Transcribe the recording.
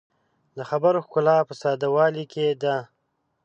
د خبرو ښکلا په ساده والي کې ده